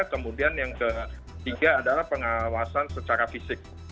kemudian yang ketiga adalah pengawasan secara fisik